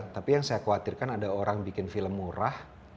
tapi yang saya khawatirkan ada orang bikin film murah